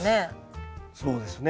そうですね。